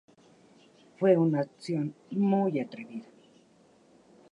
Fue una acción muy atrevida.